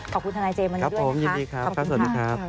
ขอบคุณนัทเจมส์มานี่ด้วยนะคะขอบคุณมากขอบคุณท่าน